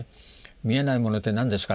「見えないものって何ですか？」